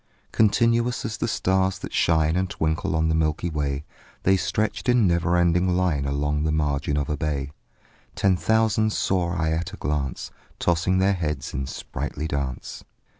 Continuous as the stars that shine And twinkle on the milky way, The stretched in never ending line Along the margin of a bay: Ten thousand saw I at a glance, Tossing their heads in sprightly dance.